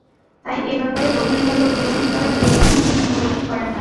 তাই এ ব্যাপারে গভীরভাবে উপলদ্ধি করার প্রয়োজনও তিনি উপলদ্ধি করেন না।